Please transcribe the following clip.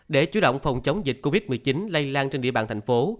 để chủ động phòng chống dịch covid một mươi chín lây lan trên địa bàn thành phố